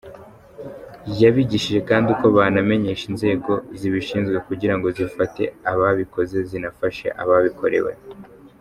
Yabigishije kandi uko banamenyesha inzego zibishinzwe kugira ngo zifate ababikoze zinafashe ababikorewe.